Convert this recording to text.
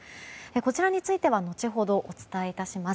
こちらについては後ほどお伝えいたします。